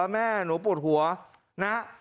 แม่หนูปวดหัวนะ